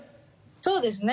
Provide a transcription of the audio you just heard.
そうですね。